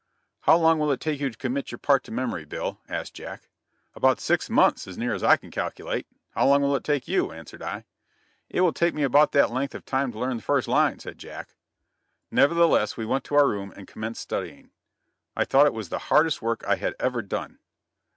"How long will it take you to commit your part to memory, Bill?" asked Jack. "About six months, as near as I can calculate. How long will it take you?" answered I. "It will take me about that length of time to learn the first line," said Jack. Nevertheless we went to our room and commenced studying. I thought it was the hardest work I had ever done.